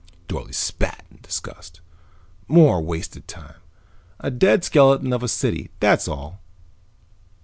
Dorle spat in disgust. "More wasted time. A dead skeleton of a city, that's all."